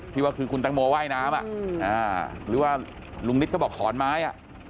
ว่าคือคุณตังโมว่ายน้ำหรือว่าลุงนิดเขาบอกขอนไม้